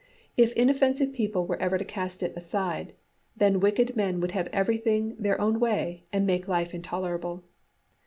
If inoffensive people were ever to cast it aside, then wicked men would have everything their own way and make life intolerable.